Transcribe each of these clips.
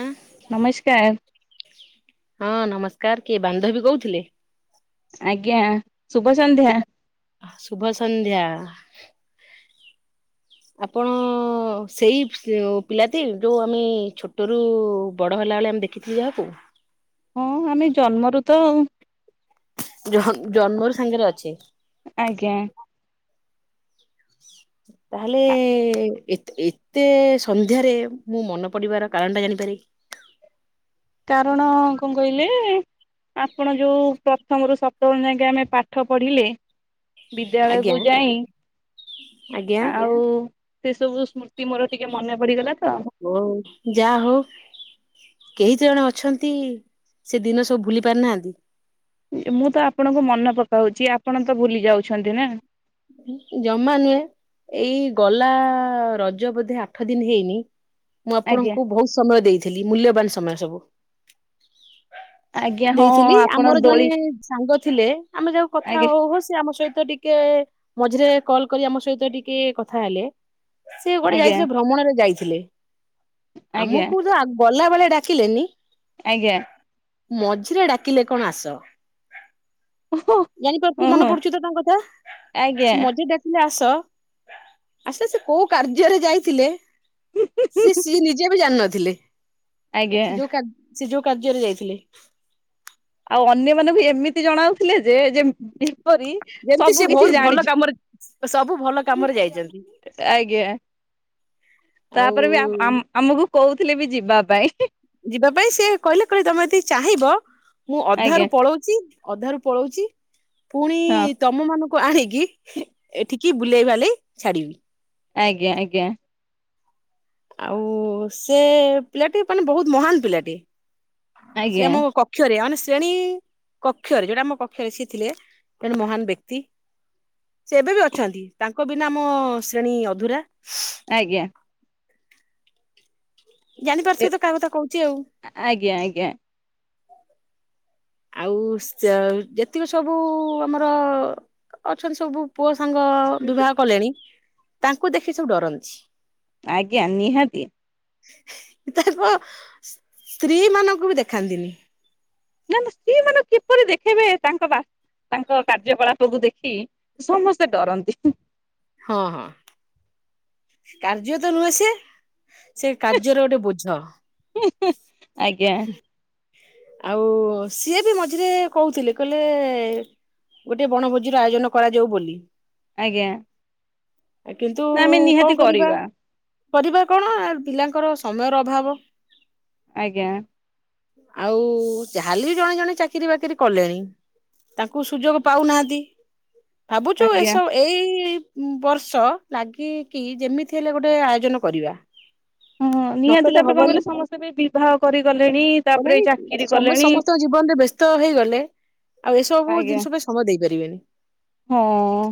ଊଁ। ନମସ୍କାର। ହଁ ନମସ୍କାର କିଏ ବାନ୍ଧବୀ କହୁଥିଲେ? ଆଜ୍ଞା। ଶୁଭ ସନ୍ଧ୍ୟା ଶୁଭ ସଂନ୍ଧ୍ୟା। ଆପଣ ଅ ସେଇ ପିଲାଟି ଯୋଉ ଆମେ ଛୋଟରୁ ବଡ ହେଲେ ଲା ବେଳେ ଆମେ ଦେଖିଥିକୁ ଯାହାକୁ। ହଁ ଆମେ ଜନ୍ମରୁ ତ ଆଉ। ଜଃ-ଜନ୍ମରୁ ସାଙ୍ଗରେ ଅଛି। ଆଜ୍ଞା। ତାହେଲେ ଏତେ ଏତେ ସନ୍ଧ୍ୟାରେ ମୁଁ ମନେ ପଡିବାର କାରଣ ଟା ଜାଣି ପାରେ କାରଣ କଣ କହିଲେ? ଆପଣ ଯୋଉ ପ୍ରଥମରୁୁ ସପ୍ତମ ଯାଙ୍କେ ଆମେ ପାଠ ପଢିଲେ ଆଜ୍ଞା ବିଦ୍ୟାଳୟକୁୁ ଯାଇ ଆଜ୍ଞା ଆଉ ସେ ସବୁ ସ୍ମୃ ଓ ହୋଉ ଯା ହୋଉ। କେହି ତ ଜଣେ ଅଛନ୍ତି। ସେ ଦିନ ସବୁ ଭୁଲି ପାରୁିନାହାନ୍ତି। ମୁଁ ତ ଆପଣଙ୍କୁ ମନେ ପକାଉଚି। ଆପଣ ତ ଭୁଲି ଯାଉଛନ୍ତି ନାଁ। ଜମା ନୁହେଁ। ଏଇ ଗଲା ରଜ ବୋଧେ ଆଠ ଦିନ ହେଇନି। ମୁଁ ଆଜ୍ଞା ଆପଣଙ୍କୁ ବୋହୁତ ସମୟ ଦେଇଥିଲି ମୂଲ୍ୟବାନ ସମୟ ସବୁ ଆଜ୍ଞା ହଁ ଦେଇଥିଲି। ଆପଣ ଆମର ଜଣେ ଦୋଳି ସାଙ୍ଗ ଥିଲେ ଆମେ ଯୋଉ କଥା ଆଜ୍ଞା ହୋଉ ହୋଉ ସେ ଆମ ସହିତ ଟିକେ ମଝିରେ କଲ୍ କରି ଆମ ସହିତ ଟିକେ କଥା ହେଲେ। ସେ ଗୋଟେ ଆଜ୍ଞା ଯାଇଥିଲେ ଭ୍ରମଣରେ ଯାଇ ଥିଲେ। ଆଜ୍ଞା ଆମକୁ ତ ଆ ଗଲାବେଳେ ଡାକିଲେନି ଆଜ୍ଞା ମଝିରେ ଡାକିଲେ କଣ ଆସ। ଓହୋ ଜାଣିପାରୁଚି ମନେ ଓହୋ ପଡୁଚି ତ ତାଙ୍କ କଥା। ଆଜ୍ଞା ସେ ମଝିରେ ଡାକିଲା ଆ ସ ଆଚ୍ଛା ସେ କୋଉ କାର୍ଯ୍ୟରେ ଯାଇଥିଲେ ସି ସିଏ ନିଜେ ବି ଜାଣିନଥିଲେ। ଆଜ୍ଞା ସେ ଯୋଉ କା ସେ ଯୋଉ କାର୍ଯ୍ୟରେ ଯାଇଥିଲେ। ଆଉ ଅନ୍ୟ ମାନଙ୍କୁ ଏମିତି ଜଣାଉ ଥିଲେ ଯେ ଯେ-ଯେପରି ସବୁ କିଛି ଜାଣିଚି। ତ ସବୁ ଭଲ କାମରେ ଯାଇଚନ୍ତି। ଆଜ୍ଞା ତାପରେ ବି ଆମ-ଆମକୁ କୋଉଥିଲେ ବି ଯିବା ପାଇଁ ହିଁ। ଯିବା ପାଇଁ ସେ କହିଲେ କହିଲେ ତମେ ଯଦି ଚାହିଁବ ମୁଁ ଆଜ୍ଞା ଅଧାରୁୁ ପଳଉଚି। ଅଧାରୁ ପଳଉଚି ଫୁଣି ହଁ ତମମାନ କୁ ଆଣିକି ହିଁ ଏଠିକି ବୁଲେଇ ବାଲେଇ ଛାଡିବି। ଆଜ୍ଞା ଆଜ୍ଞା। ଆଉ ସେ ପିଲାଟି ମାନେ ବହୁତ ମହାନ୍ ପିଲାଟେ। ସେ ଆଜ୍ଞା ଆମ କକ୍ଷରେ ଅନେସ ତେଣୀ [unintelligible] କକ୍ଷରେ ଯୋଉଟା ଆମ କକ୍ଷରେ ସିଏ ଥିଲେ। ଜଣେ ମହାନ୍ ବ୍ୟକ୍ତି। ସେ ଏବେ ବି ଅଛନ୍ତି ତାଙ୍କ ବିନା ମୋ ଶ୍ରେଣୀ ଅଧୁରା। ଆଜ୍ଞା। ଜାଣିପାରୁଥିବେ ତ କାହା କଥା କୋହୁଚି ଆଉ। ଆଜ୍ଞା ଆଜ୍ଞା ଆଉ ସେ ଯେତିକି ସବୁ ଆମର ଅଛନ୍ତି ସବୁ ପୁଅ ସାଙ୍ଗ ବିବାହ କଲେଣି ତାଙ୍କୁ ଦେଖି ସବୁ ଡରନ୍ତି। ଆଜ୍ଞା ନିହାତି। [unintelligible] ତାଙ୍କ ସ୍ତ୍ରୀ ମାନଙ୍କୁ ବି ଦେଖାନ୍ତିନି। ନା ନା ସିଏ ମାନେ କିପରି ଦେଖେଇବେ ତାଙ୍କ ବା ତାଙ୍କ କାର୍ଯ୍ୟକଳାପକୁ ଦେଖି ସମସ୍ତେ ଡରନ୍ତି। ହଁ ହଁ। କାର୍ଯ୍ୟ ତ ନୁହେଁ ସେ ସେ କାର୍ଯ୍ୟରେ ଗୋଟେ ବୋଝ। ଆଜ୍ଞା ଆଉ ସିଏ ବି ମଝିରେ କୋହୁଥିଲେ କହିଲେ ଗୋଟେ ବଣଭୋଜିର ଆୟୋଜନ କରାଯାଉ ବୋଲି। ଆଜ୍ଞା। କିନ୍ତୁ ନା ଆମେ ନିହାତି କଣ କରିବା। କରିବା କଣ ପିଲାଙ୍କର ସମୟର ଅଭାବ। ଆଜ୍ଞା। ଆଉ ଯାହେଲେବି ବି ଜଣେ ଜଣେ ଚାକିରି ବାକିରି କଲେଣି। ତାଙ୍କୁ ସୁଯୋଗ ପାଉନାହାନ୍ତି, ଭାବୁଚୁ ଆଜ୍ଞା ଏସବୁ ଏଇ ବର୍ଷ ଲାଗିକି ଯେମିତି ହେଲେ ଗୋଟେ ଆୟୋଜନ କରିବା। ହଁ ନିହାତି ନକଲେ ତାପରେ କଣ ହବନି କଲେ ସମସ୍ତେ ବି ବିବାହ କରିଗଲେଣି। ତାପରେ ଚାକିରି ସମ କଲେଣି ସମସ୍ତଙ୍କ ଜୀବନରେ ବ୍ୟସ୍ତ ହେଇଗଲେ। ଆଉ ଏସବୁ ଆଜ୍ଞା ଜିନିଷ ପାଇଁ ସମୟ ଦେଇପାରିବେନି। ହଁ।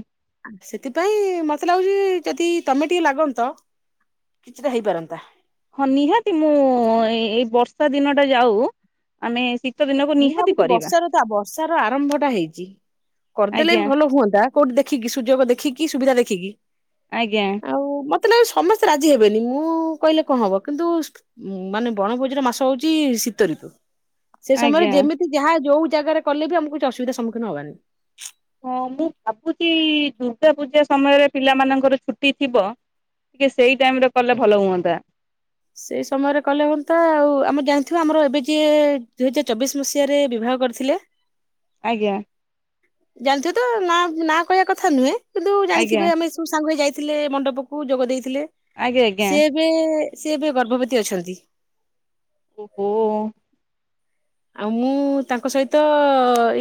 ସେଥିପାଇଁ ମତେ ଲାଗୁଛି ଯଦି ତମେ ଟିକେ ଲାଗନ୍ତ କିଛିଟା ହେଇପାରନ୍ତା। ହଁ ନିହାତି ମୁଁ ଏଇ ବର୍ଷା ଦିନଟା ଯାଉ ଆମେ ଶୀତ ଦିନକୁ ମୁଁ ନିହାତି ଭାବୁଛି କରିବା ବର୍ଷାର ତ ବର୍ଷାର ଆରମ୍ଭ ଟା ହେଇଚି। କରିଦେଲେ ଆଜ୍ଞା ବି ଭଲ ହୁଅନ୍ତା କୋଉଠି ଦେଖିକି ସୁଯୋଗ ଦେଖିକି ସୁବିଧା ଦେଖିକି। ଆଜ୍ଞା। ଆଉ ମତେ ସମସ୍ତେ ରାଜି ହେବେନି, ମୁଁ କହିଲେ କଣ ହବ କିନ୍ତୁ ମାନେ ବଣଭୋଜିର ମାସ ହଉଚି ଶୀତଋତୁ। ସେ ସମୟରେ ଆଜ୍ଞା। ଯେମିତି ଯାହା ଯୋଉ ଜାଗାରେ କଲେ ବି ଆମକୁ କିଛି ଅସୁବିଧାର ସମ୍ମୁଖୀନ ହବାନି। ହଁ ମୁଁ ଭାବୁଛି ଦୁର୍ଗା ପୂଜା ସମୟରେ ପିଲାମାନଙ୍କର ଛୁଟି ଥିବ। ଟିକେ ସେଇ ଟାଇମ ରେ କଲେ ଭଲ ହୁଅନ୍ତା। ସେଇ ସମୟରେ କଲେ ହୁଅନ୍ତା ଆଉ ଆମେ ଜାଣିଥଥିବା ଆମର ଏବେ ଯି ଦୁଇ ହଜାର ଚବିଶ ମସିହାରେ ବିଭା କରିଥିଲେ। ଆଜ୍ଞା। ଜାଣିଥିବ ତ ନା ନାଁ କହିବା କଥା ନୁହେଁ କିନ୍ତୁ ଆଜ୍ଞା ଜାଣିଥିବେ ଆମେ ସବୁ ସାଙ୍ଗରେ ଯାଇ ଥିଲେ ମଣ୍ଡପକୁ ଯୋଗ ଦେଇଥିଲେ, ଆଜ୍ଞା ଆଜ୍ଞା। ସେ ଏବେ ସେ ଏବେ ଗର୍ଭବତୀ ଅଛନ୍ତି। ଓହୋ। ଆଉ ମୁଁ ତାଙ୍କ ସହିତ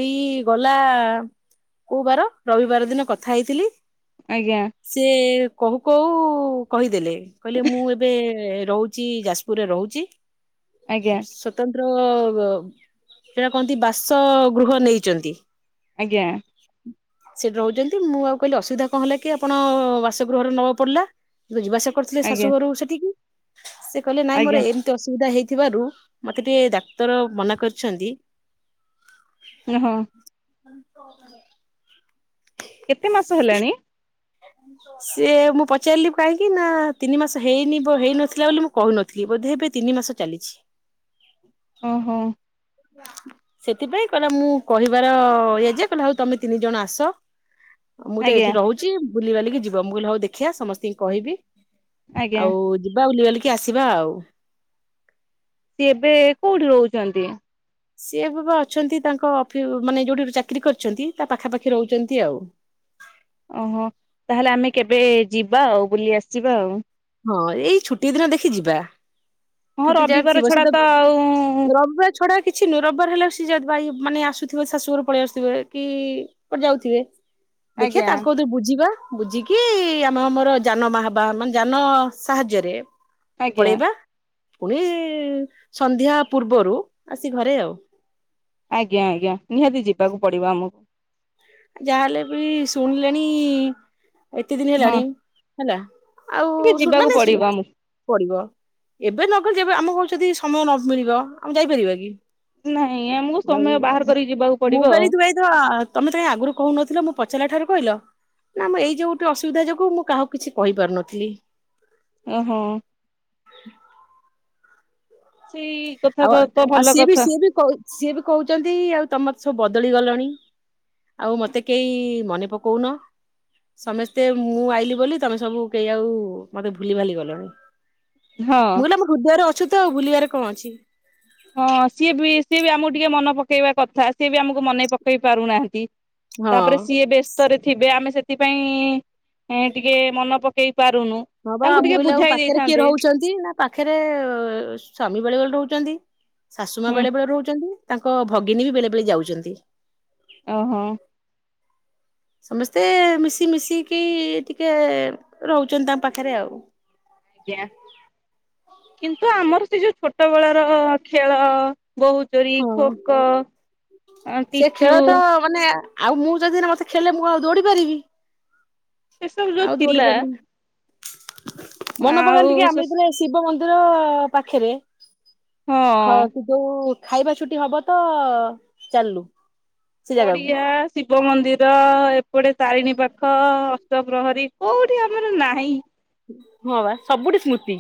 ଏଇ ଗଲା କୋଉ ବାର ରବିବାର ଦିନ କଥା ହେଇଥିଲି। ଆଜ୍ଞା ସେ କହୁ କହୁ କହିଦେଲେ କହିଲେ ମୁଁ ଏବେ ରହୁଛି ଯାଜପୁରରେ ରହୁଛି ଆଜ୍ଞା ସ୍ୱତନ୍ତ୍ର ସେଇଟା କହନ୍ତି ବାସ ଗୃହ ନେଇଛନ୍ତି ଆଜ୍ଞା। ସେଠି ରହୁଛନ୍ତି, ମୁଁ ଆଉ କହିଲି ଅସୁବିଧା କଣ ହେଲା କି ଆପଣ ବାସଗୃହରେ ନବା ପଡିଲା, ଯିବାଆସିବା କରିଥିଲେ ଆଜ୍ଞା ଶାଶୁଘରୁ ସେଠିକି ସେ କହିଲେ ନାଇଁ ଆଜ୍ଞା ମୋର ଏମିତି ଅସୁବିଧା ହେଇଥିବାରୁ ମତେ ଟିକେ ଡାକ୍ତର ମନା କରଛନ୍ତି। ହଁ। [unintelligible] କେତେ ମାସ ହେଲାଣି? ସେ ମୁଁ ପଚାରିଲି କାହିଁକି ନା ତିନି ମାସ ହେଇନି ହେଇନଥିଲା ବୋଲି ମୁଁ କହୁନଥିଲି, ବୋ ଅଧେ ଏବେ ତିନି ମାସ ଚାଲିଛି। ଓ ହୋ। ସେଥିପାଇଁ କହିଲା ମୁଁ କହିବାର ଇ ଯେ କହିଲେ ହଉ ତମେ ତିନି ଜଣ ଆସ। ମୁଁ ତ ଆଜ୍ଞା ଏଠି ରହୁଛି ବୁଲିିବାଲିକି ଯିବ ମୁଁ କହିଲି ହଉ ଦେଖିବା ସମସ୍ତଙ୍କୁ କହିବି। ଆଜ୍ଞା। ଆଉ ଯିବା ବୁଲି ବାଲିକି ଆସିବା ଆଉ। ସିଏ ଏବେ କୋଉଠି ରହୁଛନ୍ତି? ସିଏ ବାବା ଅଛନ୍ତି ତାଙ୍କ ଅଫ ମାନେ ଯୋଉଠି ଚାକିରି କରିଛନ୍ତି ତା ପାଖାପାଖି ରହୁଛନ୍ତି ଆଉ। ଓହୋ ତାହେଲେ ଆମେ କେବେ ଯିବା ଆଉ ବୁଲି ଆସିବା ଆଉ। ହଁ ଏଇ ଛୁଟି ଦିନ ଦେଖି ଯିବା ହଁ ଛୁଟି ଯାହା ରବିବାର ଥିବ ସେ ଛଡା ତ ଆଉ ପଡା କିଛି [unintelligible] ମାନେ ଆସୁଥିବେ ଶାଶୁଘରେ ପଳେଇ ଆସୁଥିବେ କି ଯାଉଥିବେ। ଦେଖିବା ଆଜ୍ଞା ତାଙ୍କୁ ତ ବୁଝିବା ବୁଝିକି ଆମେ ଆମର ଯାନବାହାନ ମାନେ ଯାନ ସାହାଯ୍ୟରେ ଆଜ୍ଞା ପଳେଇବା। ପୁଣି ସନ୍ଧ୍ୟା ପୂର୍ବରୁ ଆସି ଘରେ ଆଉ। ଆଜ୍ଞା ଆଜ୍ଞା। ନିହାତି ଯିବାକୁ ପଡିବ ଆମକୁ। ଯାହାହେଲେ ବି ଶୁଣିଲେଣି ଏତେ ଦିନ ହଁ ହେଲାଣି ହେଲା। ଆଉ ଟିକେ ଯିବାକୁ ପଡିବ [unintelligible] ଆମକୁ ପଡିବ ଏବେ ନ ଗଲେ ଯେବେ ଆମେ [unintelligible] ଯଦି ସମୟ ନ ମିଳିବ ଆମେ ଯାଇପାରିବା କି? ନାଇଁ ଆମକୁ ଆଉ ସମୟ ବାହାର କରିକି ଯିବାକୁ ମୁଁ ପଡିବ [unintelligible] ଆଉ। କରିଥିଲି ଭାଇ ତ ତମେ ତ କାଇଁ ଆଗରୁ କହୁନଥିଲ ମୁଁ ପଚାରିଲା ଠାରୁ କହିଲ? ନା ମ ଏଇ ଯୋଉ ଗୋଟେ ଅସୁବିଧା ଯୋଗୁଁ ମୁଁ କାହାକୁ କିଛି କହିପାରୁନଥିଲି। ଓହୋ। ସେଇ କଥା ଆଉ ତ ତ ଆଉ ଭଲ ସିଏ ବି କଥା ସିଏ ବି ସିଏ ବି କହୁଛନ୍ତି ଆଉ ତମର ସବୁ ବଦଳି ଗଲଣି? ଆଉ ମତେ କେହି ମନେ ପକଉନ। ସମସ୍ତେ ମୁଁ ଆଇଲିି ବୋଲି ତମେ ସବୁ କେହି ଆଉ ମତେ ଭୁଲି ଭାଲି ଗଲଣି। ମୁଁ ହଁ। କହିଲି ଆମ ହୃଦୟରେ ଅଛୁ ତ ଆଉ ଭୁଲିବାରେ କଣ ଅଛି? ହଁ ସିଏ ବି ସିଏ ବି ଆମକୁ ଟିକେ ମନେ ପକେଇବା କଥା ସିଏ ବି ଆମକୁ ମନେ ପକେଇ ପାରୁନାହାନ୍ତି। ହଁ। ତାପରେ ସିଏ ବ୍ୟସ୍ତରେ ଥିବେ। ଆମେ ସେଥିପାଇଁ ଟିକେ ମନେ ପକେଇ ପାରୁନୁ ହଁ ବା ତାଙ୍କୁ ମୁଁ ଟିକେ କହିଲି ଆଉ ବୁଝାଇ ପାଖରେ କିଏ ଦେଇଥାନ୍ତେ ରହୁଛନ୍ତି? ନା ପାଖରେ ସ୍ଵାମୀ ବେଳେବେଳେ ରହୁଛନ୍ତି। ଶାଶୁ ମାଆ ହୁଁ। ବେଳେବେଳେ ରହୁଛନ୍ତି। ତାଙ୍କ ଭଗିନୀ ବି ବେଳେ ବେଳେ ଯାଉଛନ୍ତି। ଓହୋ। ସମସ୍ତେ ମିଶି ମିିଶିକି ଟିକେ ରହୁଛନ୍ତି ତାଙ୍କ ପାଖରେ ଆଉ। ଆଜ୍ଞା କିନ୍ତୁ ଆମର ସେ ଯୋଉ ଛୋଟ ବେଳର ଖେଳ। ବୋହୁଚୋରି, ହଁ। ଖୋଖୋ, [unintelligible] ସେ ଖେଳ ପିଚୁ ତ ମାନେ ଆଉ ମୁଁ ଯଦି ମତେ [unintelligible] ଖେଳିଲେ ମୁଁ ଆଉ ଦୌଡି ପାରିବି? ସେ ସବୁ ଯୋଉ ଆଉ ଦୌଡି ଥିଲା? ପାରିବିନି। ମନେ ପକାନି ଆଉ ଟିକେ ସେ ଆମେ ଯେତେବେଳେ ଶିବ ମନ୍ଦିର ପାଖରେ ହଁ [unintelligible] ଯୋଉ ଖାଇବା ଛୁଟି ହବ ତ ଚାଲିଲୁ। ସେ ଜାଗାକୁ ପଡିଆ, ଶିବ ମନ୍ଦିର ଆ ଗୋଟେ ତାରିଣୀ ପାଖ ଅଷ୍ଟପ୍ରହରୀ କୋଉଠି ଆମର ନାହିଁ? ହଁ ବା ସବୁଠି ସ୍ମୃତି।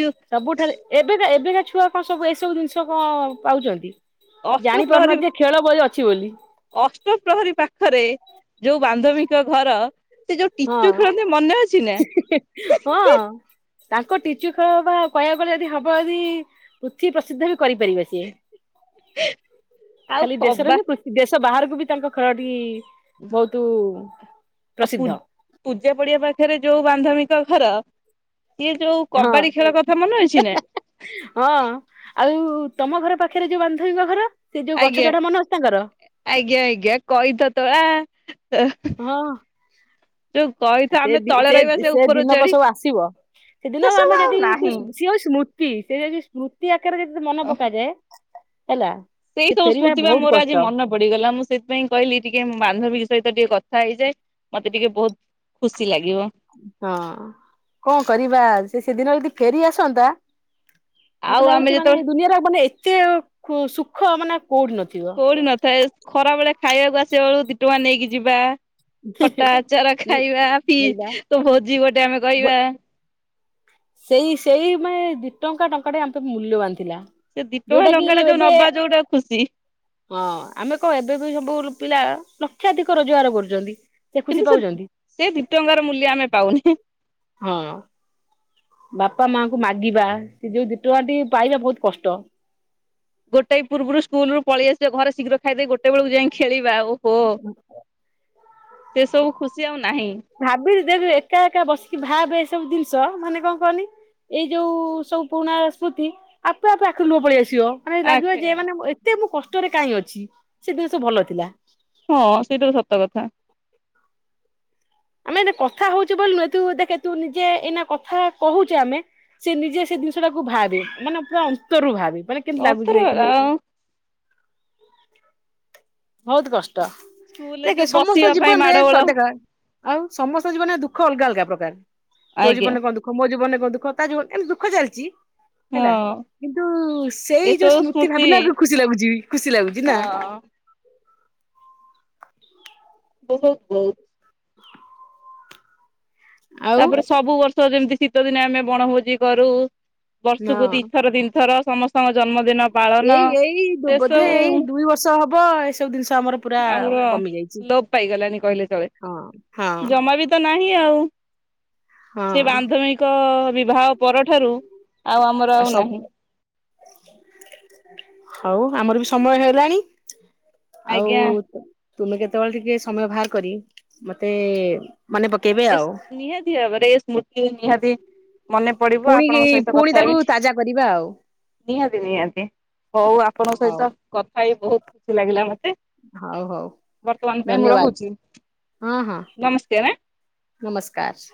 ଯୋଉ ସବୁଠାରୁ ଏବେ କା ଏବେ ଏବେକା ଛୁଆ କଣ ସବୁ ଏସବୁ ଜିନିଷ କଣ ପାଉଛନ୍ତି? ଜାଣି ଅଷ୍ଟପ୍ରହରୀ ପାରୁନାହାନ୍ତି ଖେଳ ଭଳି ଅ ଅଛି ବୋଲି? ଅଷ୍ଟପ୍ରହରୀ ପାଖରେ ଯୋଉ ବାନ୍ଧବୀଙ୍କ ଘର? ସେ ଯୋଉ ହଁ ଟିଚୁ ଖେଳନ୍ତି ମନେ ଅଛି ନା? ହଁ ତାଙ୍କ ଟିଚୁ ଖେଳ ବା କହିବାକୁ ଗଲେ ଯଦି ହବ ଯଦି ପୃଥିବୀ ପ୍ରସିଦ୍ଧ ବି କରିପାରିବେ ସିଏ। ଆଉ ଖାଲି ଦେଶରେ କବା ନୁହେଁ ଦେଶ ବାହାରକୁ ବି ତାଙ୍କ ଖେଳଟି ବୋହୁତ ଆଉ ପ୍ରସିଦ୍ଧ। ପୂଜା ପଡିଆ ପାଖରେ ଯୋଉ ବାନ୍ଧବିକ ଘର? ସିଏ ଯୋଉ ହଁ କବାଡି ଖେଳ କଥା ମନେ ଅଛି ନା? ହଁ। ଆଉ ଯୋଉ ତମ ଘର ପାଖରେ ଯୋଉ ବାନ୍ଧବୀଙ୍କ ଘର? ସେ ଯୋଉ ଗଛ ଆଜ୍ଞା ଚଢା ମନେ ଅଛି ତାଙ୍କର ଆଜ୍ଞା ଆଜ୍ଞା କହିଥ [unintelligible] ଆ ହ ଆଉ ସେ ବି ସେ ସେ ଉପରୁ ଦିନକ ଚଢି ସବୁ ଆସିବ? ସେ ଦିନ ସବୁ ଆମେ ଆଉ ଯଦି ସିଏ ନାହିଁ। ହଉଛି ସ୍ମୃତି। ସେ ଯଦି ସ୍ମୃତି ଆକାରରେ ଯଦି ମନେ ପକାଯାଏ? ହେଲା ସେଇ ସେ ସବୁ ଫେରିବା ସ୍ମୃତି ବା ବହୁତ ମୋର ଆଜି କଷ୍ଟ ମନେ ପଡିଗଲା। ମୁଁ ସେଥିପାଇଁ କହିଲି ଟିକେ ମୋ ବାନ୍ଧବୀଙ୍କ ସହିତ ଟିକେ କଥା କଥା ହେଇଯାଏ। ମତେ ଟିକେ ବହୁତ ଖୁସି ଲାଗେ। ହଁ କଣ କରିବା, ସେଦିନ ଯଦି ଫେରି ଆସନ୍ତା? ମତେ ଆଉ ଆମେ ଲାଗୁଛି ମାନେ ଯେତେବେଳେ ଦୁନିଆରେ ମାନେ ଏତେ ସୁଖ ମାନେ ଆଉ କେଉଠି ନଥାଏ। ଖରା ବେଳେ ଖାଇବାକୁ ଆସିବା ବେଳକୁ ଦି ଟଙ୍କା ନେଇକି ଯିବା। ଖଟା ଆଚାର ଖାଇବା ହେଇବା ଫିଷ୍ଟ୍ ଭୋଜି ଗୋଟେ ଆମେ କହିବା। ସେଇ ସେଇ ମାନେ ଦି ଟଙ୍କା ଟଙ୍କା ଟେ ଆମପାଇଁ ମୂଲ୍ୟବାନ ଥିଲା ସେ ଦି ଟଙ୍କା ଯେଉଁଟାକି ଟଙ୍କା ଟା ଯୋଉ ଏବେ ନବା ଯୋଉଟା ଖୁସି ହଁ ଆମେ କଣ ଏବେ ବି ବହୁତ ଭଲ ପିଲା ଲକ୍ଷାଧିକ ରୋଜଗାର କରୁଛନ୍ତି। ଖୁସି କିନ୍ତୁ ସେ ପାଉଛନ୍ତି ସେ ଦୁଇ ଟଙ୍କାର ମୂଲ୍ୟ ଆମେ ପାଉନେ। ହଁଅ। ବାପା ମାଙ୍କୁ ମାଗିବା ସେ ଯେଉଁ ଦି ଟଙ୍କାଟି ପାଇବା ବହୁତ କଷ୍ଟ। ଗୋଟେଇ ପୂର୍ବରୁ ସ୍କୁଲରୁୁ ପଳେଇଆସିବା ଘରେ ଶୀଘ୍ର ଖାଇଦେଇ ଗୋଟେ ବେଳକୁ ଯାଇଁ ଖେଳିବୁ ତାଉ ଓହୋ ସେ ସବୁ ଖୁସି ଆଉ ନାହିଁ। ସେ ଯଉଁ ଏକା ଏକା ବସିକି ଭାବେ ଏଇସବୁ ଜିନିଷ ମାନେ କଣ କହନି ଏଇ ଯୋଉ ସବୁ ପୁରୁଣା ସ୍ମୃତି ଆପେ ଆପେ ଆଖିରୁ ଲୁହ ପଳେଇଆସଛି। ଝିଅ ମାନେ ଲାଗିବ ଆଖେ ଯେ ମାନେ ଏତେ ମୁଁ କଷ୍ଟରେ କାହିଁ ଅଛି ସେ ଦିନ ସବୁ ଭଲ ଥିଲା। ହଁ ସେଇଟା ସତ କଥା। ଆମେ ଯଦି ଏ କଥା ହଉଚଛେ ବୋଲି ନୁହେଁ ତୁ ଦେଖେ ତୁ ନିଜେ ଏଇନା କଥା କହୁଛେ ଆମେ ସେ ନିଜେ ସେ ଜିନିଷ ଟାକୁ ଭାବେ ମାନେ ପୁରା ଅନ୍ତରରୁ ଭାବେ ମାନେ କେମତି ଲାଗୁଛି ଅଥର ଦେଖିନୀ। ଆଉ ବହୁତ କଷ୍ଟ ସ୍କୁଲରେ ଦେଖେ ଯୋଉ ସମସ୍ତ ବସିବା ପାଇଁ ଜୀବନରେ ମାଡଗୋଳ ଦେଖ ଆଉଁ ସମସ୍ତଙ୍କ ଜୀବନରେ ଦୁଃଖ ଅଲଗା ଅଲଗା ପ୍ରକାର ତୋ ଆଜ୍ଞା ଜୀବନରେ କଣ ଦୁଃଖ ମୋ ଜୀବନରେ କଁ ମୋ ଦୁଃଖ ତା ଦୁଃଖ ଏମିତି ଦୁଃଖ ଚାଲିଛି। ହେଲା ହଁ କିନ୍ତୁ ସେଇ ଯେଉଁ ସ୍ମୃତି ଭାବିଲା ବେଳକୁ ଖୁସି ଲାଗୁଛି ଖୁସି ଲାଗୁଛି ନାଁ। ହଁଅ। ବହୁତ ବହୁତ। ଆଉ ତାପରେ ସବୁବର୍ଷ ଯେମିତି ଶୀତ ଦିନେ ଆମେ ବଣଭୋଜି କରୁ ବର୍ଷକୁ ଦି ହଁ ଥର ତିନି ଥର ସମସ୍ତଙ୍କ ଜନ୍ମଦିନ ପାଳନ ଏଇ ଏଇ ସେ ବୋଧେ ଏଇ ସବୁ ଦୁଇ ବର୍ଷ ହବ ଏସବୁ ଜିନିଷ ଆମର ପୁରା ଆଉ ର କମି ଯାଇଛି। ଲୋପ ପାଇଗଲାଣୀ କହିଲେ ଚଳେ। ହଁ ହଁ ଜମା ବି ତ ନାହିଁ ଆଉଁ। ହଁ ସେ ବାନ୍ଧବିକ ବିବାହ ପରଠାରୁ ଆଉଁ ଆମରଆଉ ନାହିଁ। ହଉଁ ଆମର ବି ସମୟ ହେଲାଣି। ଆଉ ଆଜ୍ଞା। ତୁମେ ଯେତେବେଳେ ଟିକେ ସମୟ ବାହାର କରି ମତେ ମନେ ପକେଇବେ ଆଉ ଏସଁ ନିହାତୀ ଭାବରେ ଏସୁର୍ମୃତି ନିହାତିି ମନେ ପଡିବ ପୁଣି ଆପଣଙ୍କ ସହିତ ପୁଣି ତାକୁ କଥାହେବି। ତାଜା କରିବା ଆଉ ନିହାତି ନିହାତି ହଉ ଆପଣଙ୍କ ହଉ ସହିତ କଥା ହେଇ ବହୁତ ଖୁସି ଲାଗିଲା ମତେ। ହଉ ହଉ ବର୍ତ୍ତମାନ ପାଇଁ ମୁଁ ଧନ୍ୟବାଦ ରହୁଛି ହଁ ହଁ ନମସ୍କାର ଆଁ। ନମସ୍କାର।